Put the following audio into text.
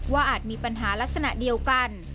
อาจมีปัญหาลักษณะเดียวกัน